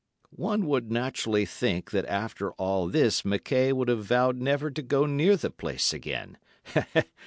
One would naturally think that after all this McKaye would have vowed never to go near the place again.